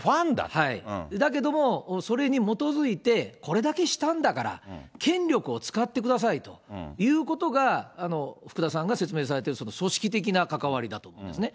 だけども、それに基づいて、これだけしたんだから、権力を使ってくださいということが福田さんが説明されてるその組織的な関わりだと思うんですよね。